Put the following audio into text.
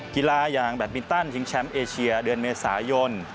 กีฬาอย่างแบตมินตันชิงแชมป์เอเชียเดือนเมษายน